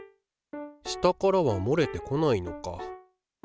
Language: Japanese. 下からはもれてこないのか。